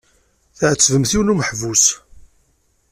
Tɛettbemt yiwen n umeḥbus.